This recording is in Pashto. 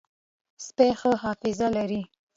سپي ښه حافظه لري.